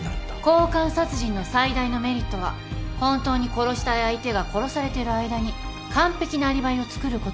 交換殺人の最大のメリットは本当に殺したい相手が殺されている間に完璧なアリバイをつくることができること。